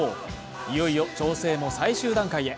いよいよ調整も最終段階へ。